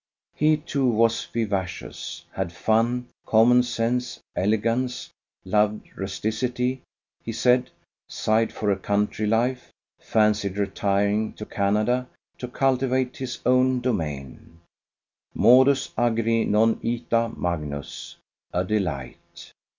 He too was vivacious, had fun, common sense, elegance; loved rusticity, he said, sighed for a country life, fancied retiring to Canada to cultivate his own domain; "modus agri non ita magnus:" a delight.